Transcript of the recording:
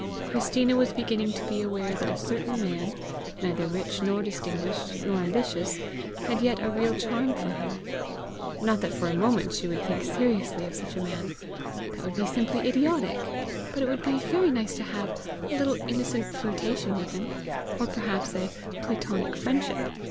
Christina was beginning to be aware that a certain man, neither rich nor distinguished nor ambitious, had yet a real charm for her. Not that for a moment she would think seriously of such a man! That would be simply idiotic! But it would be very nice to have a little innocent flirtation with him, or perhaps a "Platonic friendship!